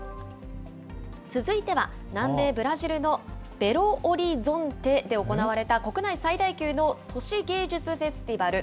続いては南米ブラジルのベロオリゾンテで行われた国内最大級の都市芸術フェスティバル。